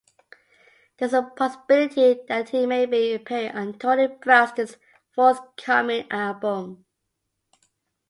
There is a possibility that he may be appearing on Toni Braxton's forthcoming album.